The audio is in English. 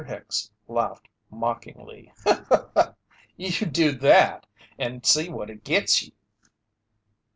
Hicks laughed mockingly: "You do that and see what it gets you."